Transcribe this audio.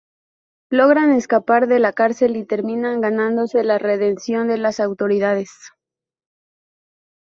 Logran escapar de la cárcel y terminan ganándose la redención de las autoridades.